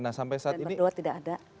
dan berdoa tidak ada